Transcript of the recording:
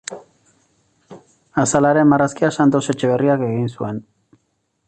Azalaren marrazkia Santos Etxeberriak egin zuen.